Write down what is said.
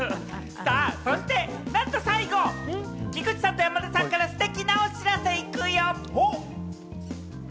そして、なんと最後、菊池さんと山田さんからステキなお知らせ行くよ。